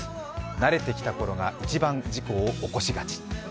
慣れてきたころが一番、事故を起こしがち。